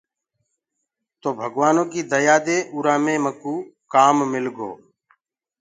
تو ڀگوآنو ڪيٚ ديا دي اُرا مي مڪوٚ ڪام مِل گو۔